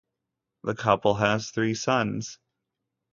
The couple has three sons.